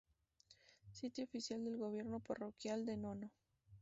Sitio oficial del Gobierno Parroquial de Nono